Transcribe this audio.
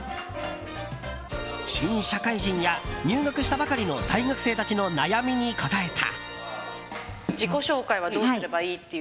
新社会人や、入学したばかりの大学生たちの悩みに答えた。